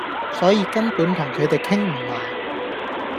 所以根本同佢地傾唔埋